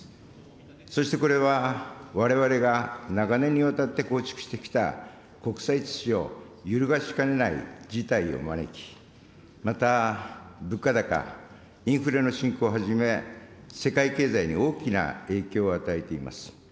そしてこれは、われわれが長年にわたって構築してきた国際秩序を揺るがしかねない事態を招き、また、物価高、インフレの進行をはじめ、世界経済に大きな影響を与えています。